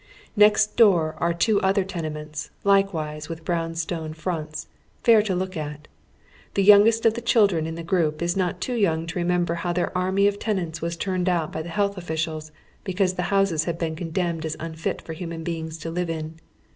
Next door are two other tenements, likewise with brown stone fronts, fair to look at. Tiie youngest of the children in the group is not too young to remember liow their army of tenants was turned out by the health officers because the houses had been condemned as unfit for human beings to live in.